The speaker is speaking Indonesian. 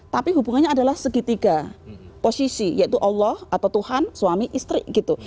tapi hubungannya adalah segitiga posisi yaitu allah atau tuhan suami istri gitu